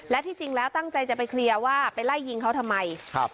และที่จริงแล้วตั้งใจจะไปเคลียร์ว่าไปไล่ยิงเขาทำไมครับ